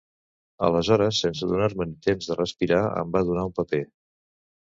Aleshores, sense donar-me ni temps de respirar, em va donar un paper.